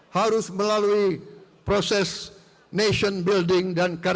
harus melalui proses nation building dan kartu